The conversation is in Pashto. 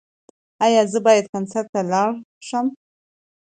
ایا زه باید کنسرت ته لاړ شم؟